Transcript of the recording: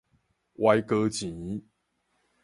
歪哥錢